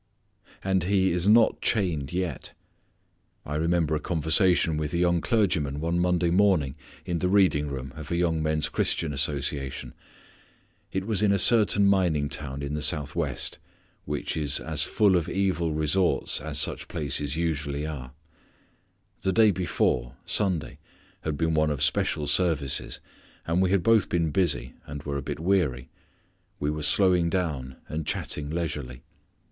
And he is not chained yet. I remember a conversation with a young clergyman one Monday morning in the reading room of a Young Men's Christian Association. It was in a certain mining town in the southwest, which is as full of evil resorts as such places usually are. The day before, Sunday, had been one of special services, and we had both been busy and were a bit weary. We were slowing down and chatting leisurely.